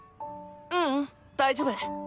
ううん大丈夫。